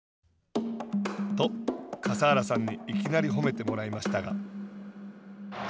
と、笠原さんにいきなり褒めてもらいましたが。